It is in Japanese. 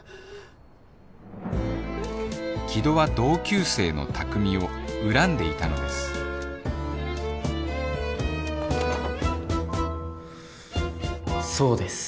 木戸は同級生の卓海を恨んでいたのですそうです